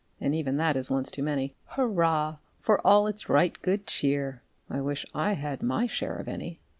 (And even that is once too many;) Hurrah for all its right good cheer! (_I wish I had my share of any!